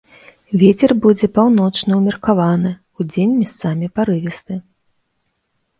Вецер будзе паўночны ўмеркаваны, удзень месцамі парывісты.